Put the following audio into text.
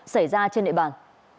xảy ra trên địa bàn